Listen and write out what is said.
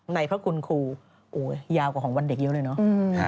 พระคุณครูโอ้ยาวกว่าของวันเด็กเยอะเลยเนาะ